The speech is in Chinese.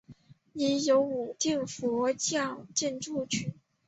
已有五殿的佛教建筑群。